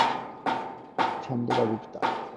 母親節到底是那天？